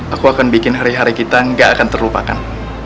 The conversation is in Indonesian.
aku akan bikin hari hari kita gak akan terlupakan